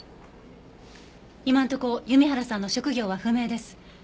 今のところユミハラさんの職業は不明です。